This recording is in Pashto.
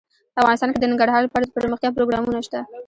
افغانستان کې د ننګرهار لپاره دپرمختیا پروګرامونه شته.